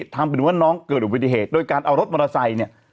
ทำเป็นว่าน้องเกิดอุบัติเหตุโดยการเอารถมอเตอร์ไซค์เนี่ย